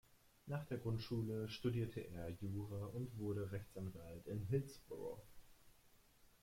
Nach der Grundschule studierte er Jura und wurde Rechtsanwalt in Hillsboro.